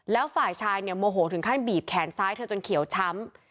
แล้วฝ่ายชายเนี่ยโมโหถึงขั้นบีบแขนซ้ายเธอจนเขียวช้ำ